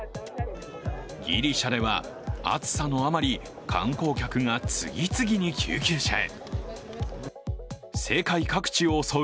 ギリシャでは、暑さのあまり観光客が次々に救急車へ。